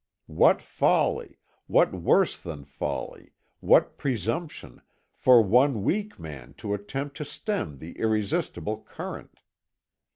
What folly what worse than folly, what presumption, for one weak man to attempt to stem the irresistible current!